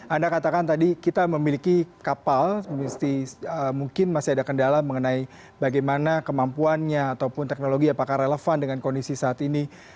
anda katakan tadi kita memiliki kapal mungkin masih ada kendala mengenai bagaimana kemampuannya ataupun teknologi apakah relevan dengan kondisi saat ini